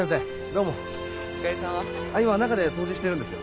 あっ今中で掃除してるんですよ。